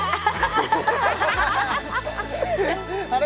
あれ？